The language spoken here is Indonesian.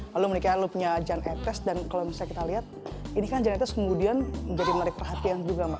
lalu menikah lu punya jan etes dan kalau misalnya kita lihat ini kan jan etes kemudian menjadi menarik perhatian juga mas